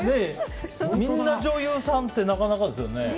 みんな女優さんってなかなかですよね。